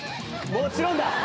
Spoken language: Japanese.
もちろんだ。